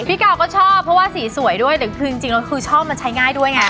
พี่กาวก็ชอบเพราะว่าสีสวยด้วยแต่คือจริงแล้วคือชอบมันใช้ง่ายด้วยไง